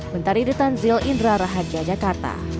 bentar idhutan zil indra rahat yogyakarta